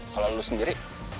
kalo lu sendiri